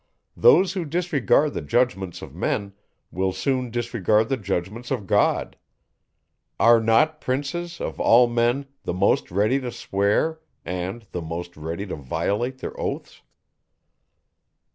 Those, who disregard the judgments of men, will soon disregard the judgments of God. Are not princes, of all men, the most ready to swear, and the most ready to violate their oaths?